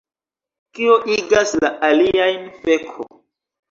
Kio igas la aliajn feko